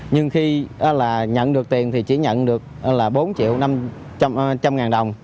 nhưng khi nhận được tiền thì chỉ nhận được bốn triệu năm trăm linh đồng